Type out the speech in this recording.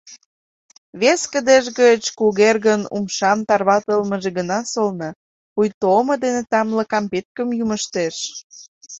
Вес кыдеж гыч Кугергын умшам тарватылмыже гына солна, пуйто омо дене тамле кампеткым юмыштеш.